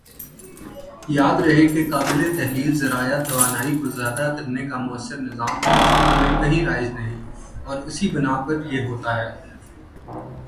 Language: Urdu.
یاد رہے کہ قابلِ تحلیل ذرائع توانائی کو ذیادہ کرنے کا مؤثر نظام پاکستان میں کہیں رائج نہیں اور اسی بنا پر یہ ہوتا ہے